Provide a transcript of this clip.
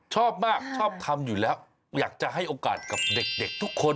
ชอบมากชอบทำอยู่แล้วอยากจะให้โอกาสกับเด็กทุกคน